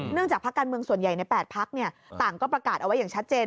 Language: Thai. จากภาคการเมืองส่วนใหญ่ใน๘พักต่างก็ประกาศเอาไว้อย่างชัดเจน